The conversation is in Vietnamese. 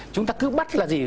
chúng ta cứ bắt là gì